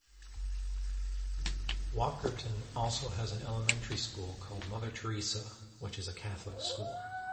Walkerton also has an elementary school called Mother Teresa which is a Catholic school.